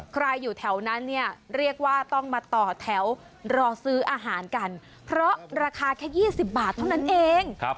อยู่แถวนั้นเนี่ยเรียกว่าต้องมาต่อแถวรอซื้ออาหารกันเพราะราคาแค่๒๐บาทเท่านั้นเอง